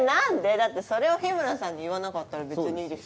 だってそれを日村さんに言わなかったら別にいいでしょ？